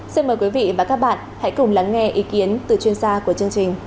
xin mời quý vị và các bạn hãy cùng lắng nghe ý kiến từ chuyên gia của chương trình